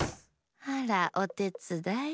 あらおてつだい？